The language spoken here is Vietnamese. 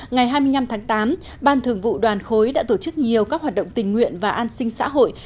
ngày hai mươi năm tháng tám ban thường vụ đoàn khối đã tổ chức nhiều các hoạt động tình nguyện và an sinh xã hội